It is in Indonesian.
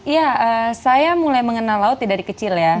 ya saya mulai mengenal laut dari kecil ya